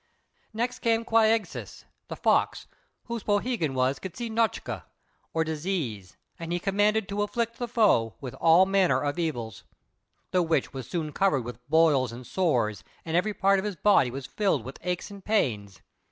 Next came Quāgsis, the Fox, whose poohegan was "K'sī nochka," or "Disease," and he commanded to afflict the foe with all manner of evils. The Witch was soon covered with boils and sores, and every part of his body was filled with aches and pains.